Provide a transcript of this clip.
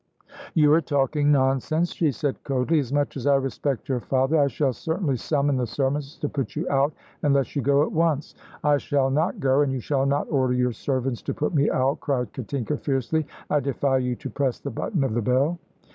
"You are talking nonsense," she said coldly, "and much as I respect your father, I shall certainly summon, the servants to put you out unless you go at once." "I shall not go, and you shall not order your servants to put me out," cried Katinka, fiercely. "I defy you to press the button of the bell."